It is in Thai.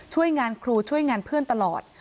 ช่วยงานครูช่วยงานเพื่อนตลอด